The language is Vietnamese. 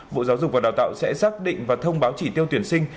bộ giáo dục và đào tạo sẽ xác định và thông báo chỉ tiêu tuyển sinh